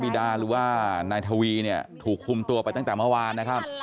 ดาหรือว่านายทวีเนี่ยถูกคุมตัวไปตั้งแต่เมื่อวานนะครับ